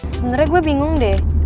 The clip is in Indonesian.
sebenernya gue bingung deh